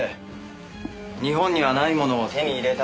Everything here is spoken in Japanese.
日本にはないものを手に入れたいんで。